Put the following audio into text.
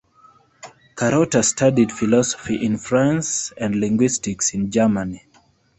Carotta studied philosophy in France and linguistics in Germany.